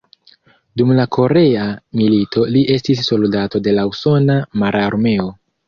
Dum la korea milito li estis soldato de la usona mararmeo.